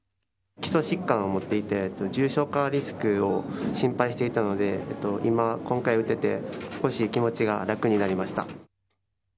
基礎疾患を持っていて、重症化リスクを心配していたので、今、今回打てて、少し気持ちが楽になりました。